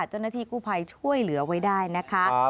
เจ้าหน้าที่กู้ภัยช่วยเหลือไว้ได้นะคะ